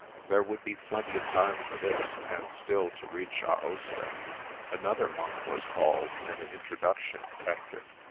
There would be plenty of time for this, and still to reach Aosta. Another monk was called, and an introduction effected.